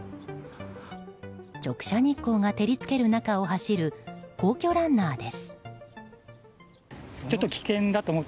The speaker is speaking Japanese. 直射日光が照りつける中を走る皇居ランナーです。